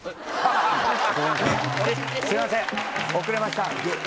・すいません遅れました！